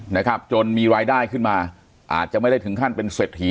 นะครับจนมีรายได้ขึ้นมาอาจจะไม่ได้ถึงขั้นเป็นเศรษฐี